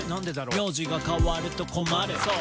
「名字が変わると困るｓｏ，」